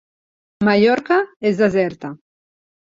Mallorca és deserta.